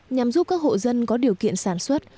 nhằm giúp các hộ dân có điều kiện sản xuất